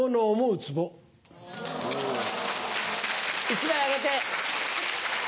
１枚あげて。